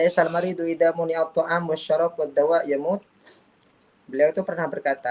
beliau itu pernah berkata